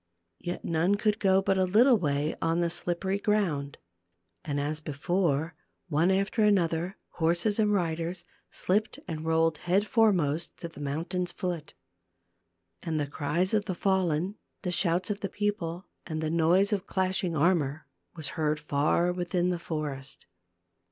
Yet none could go but a little way on the slippery ground, and as before one after another, horses and riders, slipped and rolled head foremost to the mountain's foot. And the cries of the fallen, the shouts of the people, and the noise of clashing armor was heard far within the forest.